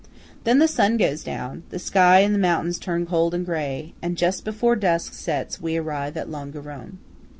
Then the sun goes down; the sky and the mountains turn cold and grey; and just before the dusk sets in we arrive at Longarone.